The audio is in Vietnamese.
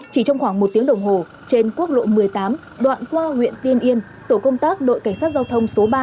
chỉ trong khoảng một tiếng đồng hồ trên quốc lộ một mươi tám đoạn qua huyện tiên yên tổ công tác đội cảnh sát giao thông số ba